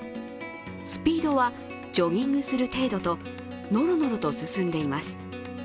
スピードはジョギングする程度とノロノロと進んでいます。